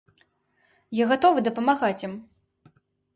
Я гатовы дапамагаць ім.